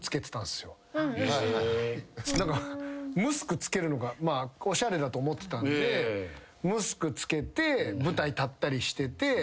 ムスクつけるのがおしゃれだと思ってたんでムスクつけて舞台立ったりしてて。